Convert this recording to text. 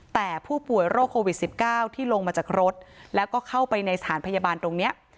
แต่ผู้ป่วยโรคโควิด๑๙ที่ลงมาจากรถแล้วก็เข้าไปในสถานพยาบาลตรงนี้